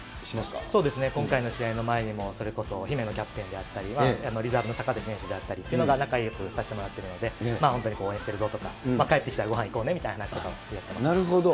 今回の試合の前にも、それこそ姫野キャプテンであったりとかは、リザーブのこさかべ選手だったりは仲よくさせてもらってるので、本当に応援してるぞとか、帰ってきたらごはん行こうねみたいな話なるほど。